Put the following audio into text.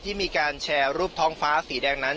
ที่มีการแชร์รูปท้องฟ้าสีแดงนั้น